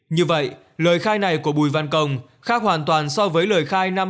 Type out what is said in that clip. như vậy lời khai này của bùi văn công khác hoàn toàn so với lời khai năm hai nghìn một mươi